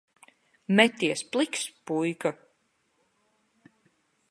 Meties pliks, puika.